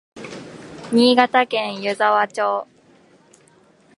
新潟県湯沢町